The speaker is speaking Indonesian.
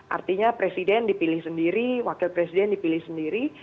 artinya presiden dipilih sendiri wakil presiden dipilih sendiri